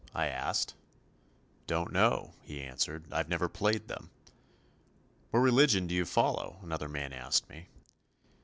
I asked. "Don't know," he answered, "I've never played them." "What religion do you follow?" another man asked me.